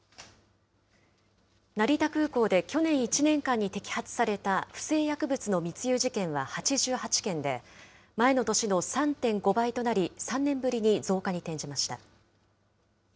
成田空港で去年１年間に摘発された不正薬物の密輸事件は８８件で、前の年の３．５倍となり、３年ぶりに増加に転じました。